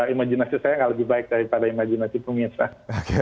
imajinasi saya nggak lebih baik daripada imajinasi pemirsa